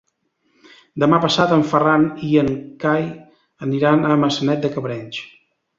Demà passat en Ferran i en Cai aniran a Maçanet de Cabrenys.